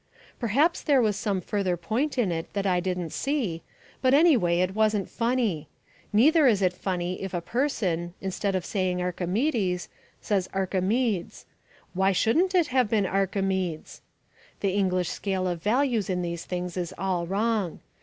Perhaps there was some further point in it that I didn't see, but, anyway, it wasn't funny. Neither is it funny if a person, instead of saying Archimedes, says Archimeeds; why shouldn't it have been Archimeeds? The English scale of values in these things is all wrong.